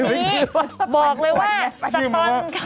คือตอนนี้บอกเลยว่าจากตอน